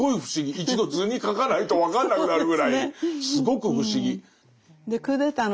一度図に描かないと分かんなくなるぐらいすごく不思議。